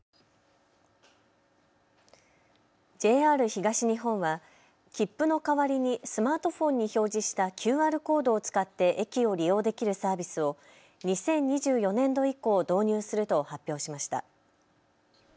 ＪＲ東日本は切符の代わりにスマートフォンに表示したＱＲコードを使って駅を利用できるサービスを２０２４年度以降、導入すると発表しました。